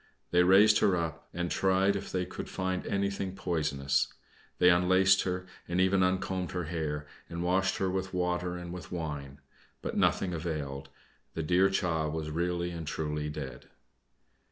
They raised her up, and tried if they could find anything poisonous. They unlaced her, and even uncombed her hair, and washed her with water and with wine. But nothing availed: the dear child was really and truly dead.